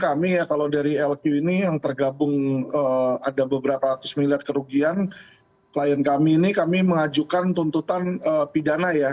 kami ya kalau dari lq ini yang tergabung ada beberapa ratus miliar kerugian klien kami ini kami mengajukan tuntutan pidana ya